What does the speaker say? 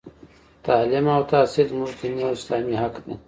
تـعلـيم او تحـصيل زمـوږ دينـي او اسـلامي حـق دى.